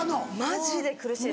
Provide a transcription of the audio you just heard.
マジで苦しいです。